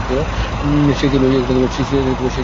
সে ছিল খুব সুন্দর।